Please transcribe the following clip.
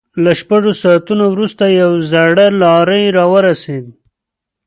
له شپږو ساعتونو وروسته يوه زړه لارۍ را ورسېده.